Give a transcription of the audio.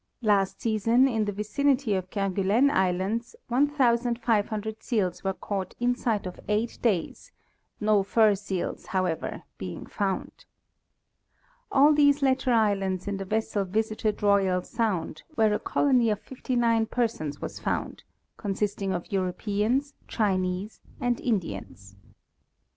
Last season, in the vicinity of Kerguelen islands, 1,500 seals were caught inside of eight days, no fur seals, however, being found. At these latter islands the vessel visited Royal sound, where a colony of 59 persons was found, consisting of Europeans, Chinese and Indians.